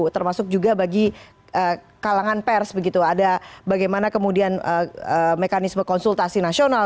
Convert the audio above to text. termasuk juga bagi kalangan pers begitu ada bagaimana kemudian mekanisme konsultasi nasional